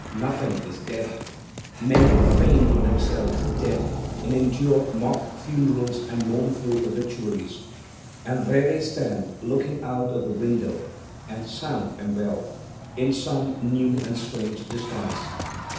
Nothing is dead. Men feign themselves dead, and endure mock funerals and mournful obituaries, and there they stand looking out of the window, sound and well, in some new and strange disguise.